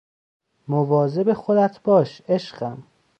مواظب خودت باش عشقم